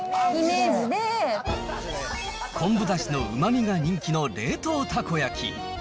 昆布だしのうまみが人気の冷凍たこ焼き。